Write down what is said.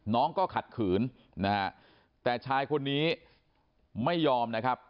น้องก็ขัดขืนนะฮะแต่ชายคนนี้ไม่ยอมนะครับ